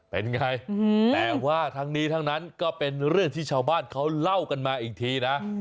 เป็นไงแต่ว่าทั้งนี้ทั้งนั้นก็เป็นเรื่องที่ชาวบ้านเขาเล่ากันมาอีกทีนะ